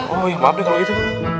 oh iya maaf deh kalau gitu